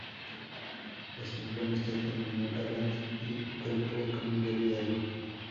Entabló amistad con Manuel Abad y Queipo y con Miguel Hidalgo.